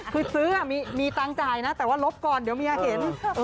คือซื้อมีตังค์จ่ายนะแต่ว่าลบก่อนเดี๋ยวเมียเห็น